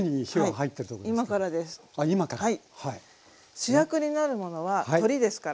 主役になるものはトリですから。